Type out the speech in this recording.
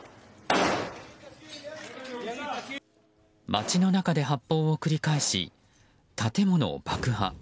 街の中で発砲を繰り返し建物を爆破。